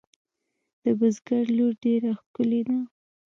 د بزگر لور ډېره ښکلې ده.